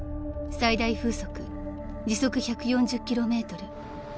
［最大風速時速１４０キロメートル］